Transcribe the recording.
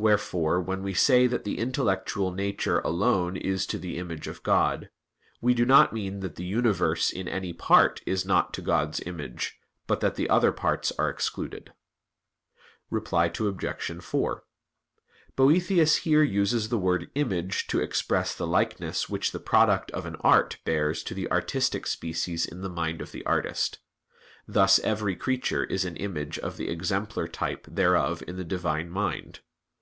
Wherefore, when we say that the intellectual nature alone is to the image of God, we do not mean that the universe in any part is not to God's image, but that the other parts are excluded. Reply Obj. 4: Boethius here uses the word "image" to express the likeness which the product of an art bears to the artistic species in the mind of the artist. Thus every creature is an image of the exemplar type thereof in the Divine mind.